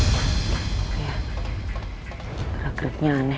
iya kerak keriknya aneh